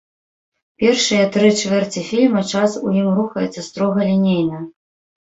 Першыя тры чвэрці фільма час у ім рухаецца строга лінейна.